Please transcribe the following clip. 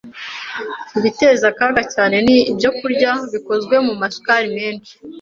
ibiteza akaga cyane ni ibyokurya bikozwe mu masukari menshi